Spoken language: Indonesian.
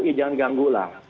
ya jangan ganggu lah